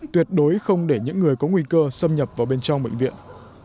tuyệt đối không để những người có nguy cơ xâm nhập vào bên trong bệnh viện